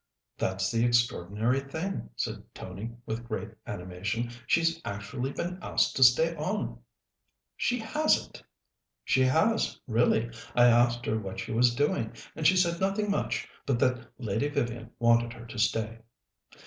"That's the extraordinary thing," said Tony with great animation. "She's actually been asked to stay on." "She hasn't!" "She has, really. I asked her what she was doing, and she said nothing much, but that Lady Vivian wanted her to stay."